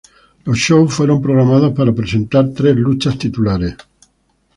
Los shows fueron programados para presentar tres luchas titulares.